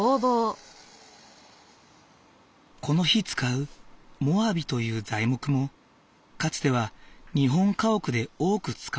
この日使うモアビという材木もかつては日本家屋で多く使われていたもの。